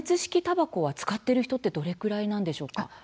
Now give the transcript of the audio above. たばこは使っている人ってどれくらいなんでしょうか。